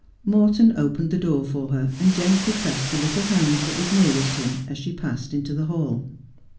Morton opened the door for her, and gently pressed the little hand that was nearest him as she passed into the hall.